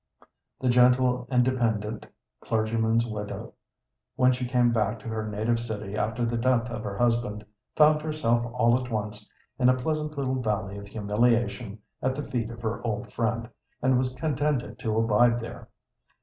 The gentle and dependent clergyman's widow, when she came back to her native city after the death of her husband, found herself all at once in a pleasant little valley of humiliation at the feet of her old friend, and was contented to abide there.